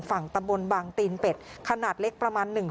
ฝั่งตำบลบางตีนเป็ดขนาดเล็กประมาณหนึ่ง